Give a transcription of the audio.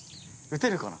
打てるかな？